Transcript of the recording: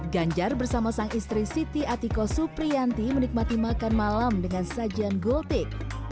ganjar bersama sang istri siti atiko supriyanti menikmati makan malam dengan sajian gultik